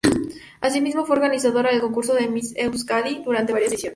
Asimismo fue organizadora del concurso de Miss Euskadi durante varias ediciones.